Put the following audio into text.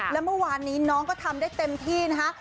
และเมื่อวานนี้น้องก็ทำได้เต็มที่นะคะ